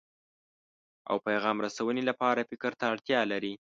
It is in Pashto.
او پیغام رسونې لپاره فکر ته اړتیا لري.